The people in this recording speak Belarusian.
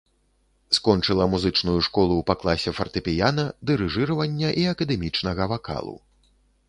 Скончыла музычную школу па класе фартэпіяна, дырыжыравання і акадэмічнага вакалу.